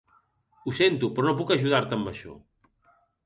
Ho sento, però no puc ajudar-te amb això.